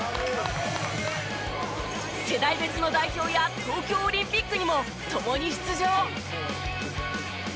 世代別の代表や東京オリンピックにも共に出場！